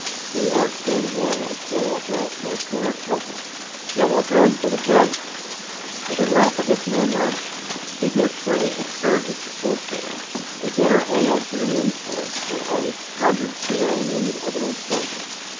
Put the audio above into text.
He has been one of General Grant's most generous helpers; yet while doing for the great, he does not forget the unknown. He gives free excursions to poor children, a dinner annually to the newsboys, and aids hundreds who are in need of an education.